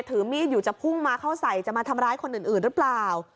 ถือมีดอยู่จะพุ่งมาเข้าใส่จะมาทำร้ายคนอื่นหรือเปล่า